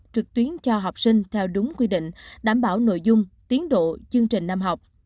trực tuyến cho học sinh theo đúng quy định đảm bảo nội dung tiến độ chương trình năm học